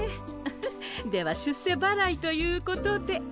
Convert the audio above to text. フフでは出世ばらいということで。